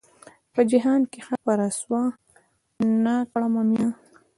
پۀ جهان کښې به رسوا نۀ کړمه مينه